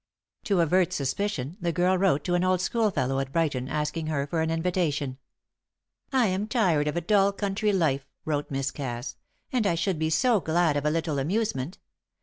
To avert suspicion, the girl wrote to an old schoolfellow at Brighton asking her for an invitation. "I am tired of a dull country life," wrote Miss Cass, "and I should be so glad of a little amusement.